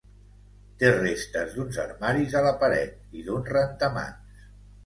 Té restes d'uns armaris a la paret, i d'un rentamans.